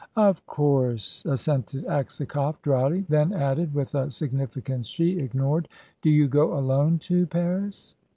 "Of course," assented Aksakoff, dryly; then added, with a significance she ignored: "Do you go alone to Paris?"